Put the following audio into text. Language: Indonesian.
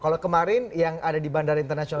kalau kemarin yang ada di bandara internasional